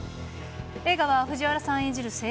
映画は藤原さん演じる